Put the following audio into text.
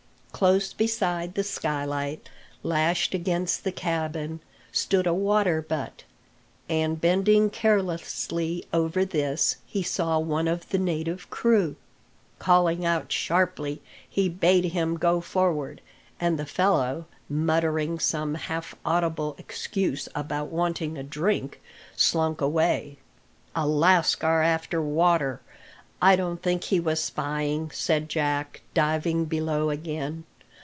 Close beside the skylight, lashed against the cabin, stood a water butt; and bending carelessly over this he saw one of the native crew. Calling out sharply, he bade him go forward, and the fellow, muttering some half audible excuse about wanting a drink, slunk away. "A lascar after water; I don't think he was spying," said Jack, diving below again.